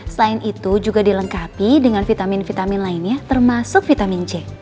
selain itu juga dilengkapi dengan vitamin vitamin lainnya termasuk vitamin c